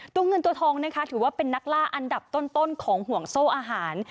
ตัวเงินตัวทองนะคะถือว่าเป็นนักล่าอันดับต้นของห่วงโซ่อาหาร